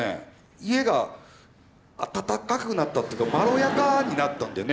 家が温かくなったっていうかまろやかになったんだよね。